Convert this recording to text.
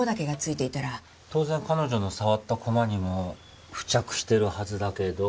当然彼女の触った駒にも付着してるはずだけど。